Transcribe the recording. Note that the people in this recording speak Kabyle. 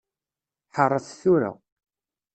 Ḥeṛṛet tura.